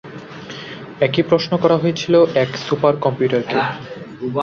একই প্রশ্ন করা হয়েছিল এক সুপার কম্পিউটার কে।